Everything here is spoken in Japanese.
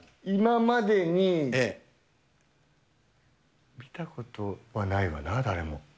今までに見たことはないわな、誰も。